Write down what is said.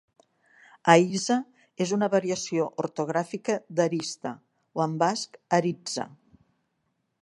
Aiza és una variació ortogràfica d'Arista, o en basc, Aritza.